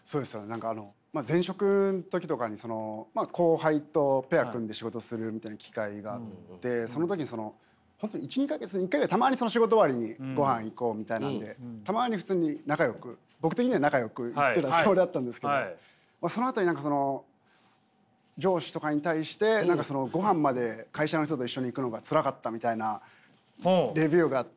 何かあの前職の時とかに後輩とペア組んで仕事するみたいな機会があってその時にその本当に１２か月に１回ぐらいたまにその仕事終わりにごはん行こうみたいなんでたまに普通に仲よく僕的には仲よく行ってたつもりだったんですけどそのあとに何かその上司とかに対して何か「ごはんまで会社の人と一緒に行くのがツラかった」みたいなレビューがあって。